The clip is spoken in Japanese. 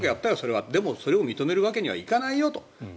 でもそれを認めるわけにはいかないと。